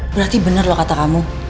berarti benar loh kata kamu